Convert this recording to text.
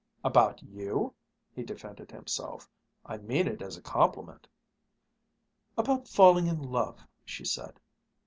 "About you?" he defended himself. "I mean it as a compliment." "About falling in love," she said.